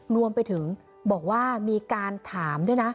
รวมไปถึงบอกว่ามีการถามด้วยนะ